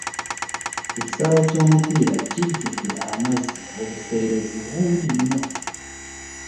Ekisaawe ky'omupiira kijjudde amazzi obuseerrezi bungi nyo.